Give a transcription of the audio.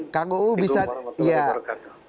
waalaikumsalam warahmatullahi wabarakatuh